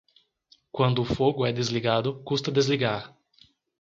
Quando o fogo é desligado, custa desligar.